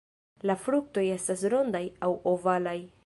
La fruktoj estas rondaj aŭ ovalaj.